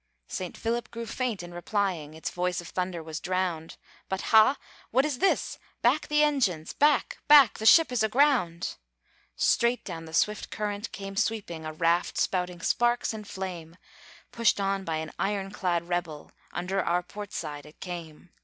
Saint Philip grew faint in replying, Its voice of thunder was drowned; "But ha! what is this? Back the engines! Back, back, the ship is aground!" Straight down the swift current came sweeping A raft, spouting sparks and flame; Pushed on by an iron clad rebel, Under our port side it came.